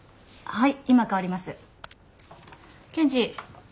はい。